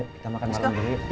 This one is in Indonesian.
kita makan malam dulu yuk